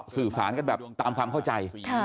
สื่อสารกันแบบตามความเข้าใจ